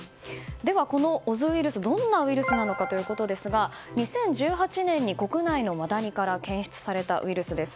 では、このオズウイルスどんなウイルスなのかですが２０１８年に国内のマダニから検出されたウイルスです。